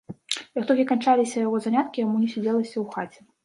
Як толькі канчаліся яго заняткі, яму не сядзелася ў хаце.